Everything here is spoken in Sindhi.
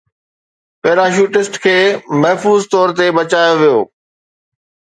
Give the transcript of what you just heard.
پيراشوٽسٽ کي محفوظ طور تي بچايو ويو